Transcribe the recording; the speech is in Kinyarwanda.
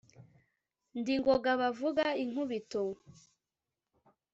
ndi ngoga bavuga inkubito